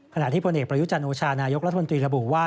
ขณะที่พลเอกประยุจันโอชานายกรัฐมนตรีระบุว่า